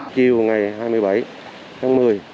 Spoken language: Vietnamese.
chiều ngày hai mươi bảy tháng một mươi